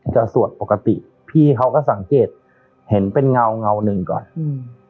สวดปกติพี่เขาก็สังเกตเห็นเป็นเงาเงาหนึ่งก่อนอืม